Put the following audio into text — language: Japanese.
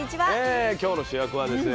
今日の主役はですね